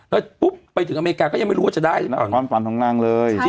แล้วปุ๊บไปถึงอเมริกาก็ยังไม่รู้ว่าจะได้ความฝันของนางเลย